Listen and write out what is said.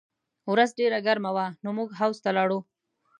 ورځ ډېره ګرمه وه نو موږ حوض ته لاړو